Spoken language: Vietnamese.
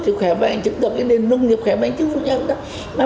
thì khỏe mạnh chứng tượng đến nông nghiệp khỏe mạnh chứng tượng đến nông nghiệp khỏe mạnh